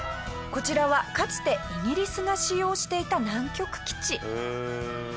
こちらはかつてイギリスが使用していた南極基地。